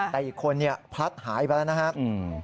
แต่อีกคนเนี่ยพลัดหายไปแล้วนะครับ